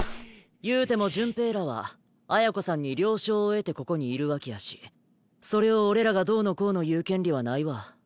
いうても潤平らは綾子さんに了承を得てここにいるわけやしそれを俺らがどうのこうの言う権利はないわ。